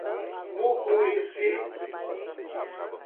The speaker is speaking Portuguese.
Mucurici